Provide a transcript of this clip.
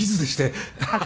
アハハハ。